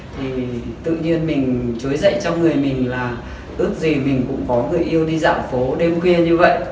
thì tự nhiên mình chối dậy cho người mình là ước gì mình cũng có người yêu đi dạng phố đêm khuya như vậy